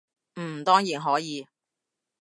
嗯，當然可以